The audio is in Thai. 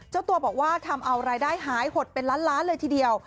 หายหดเป็นล้านเลยทีเดียว